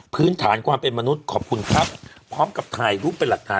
พื้นฐานความเป็นมนุษย์ขอบคุณครับพร้อมกับถ่ายรูปเป็นหลักฐาน